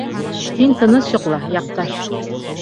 Һин тыныс йоҡла, яҡташ!